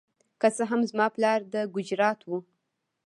که څه هم زما پلار د ګجرات و.